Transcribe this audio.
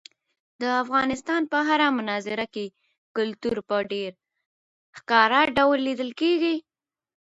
د افغانستان په هره منظره کې کلتور په ډېر ښکاره ډول لیدل کېږي.